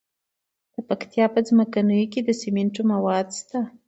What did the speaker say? د پکتیا په څمکنیو کې د سمنټو مواد شته.